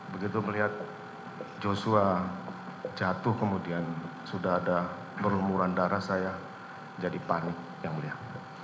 begitu melihat joshua jatuh kemudian sudah ada berumuran darah saya jadi panik yang melihat